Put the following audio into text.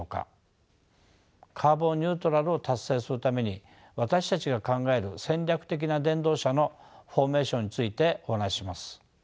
カーボン・ニュートラルを達成するために私たちが考える戦略的な電動車のフォーメーションについてお話しします。